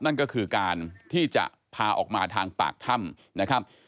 นั่นก็คือการที่จะพาออกมาทางปากถ้ำนะครับ